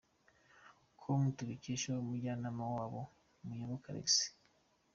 com tubikesha umujyanama wabo Muyoboke Alex.